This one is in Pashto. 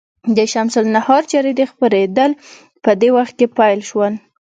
د شمس النهار جریدې خپرېدل په دې وخت کې پیل شول.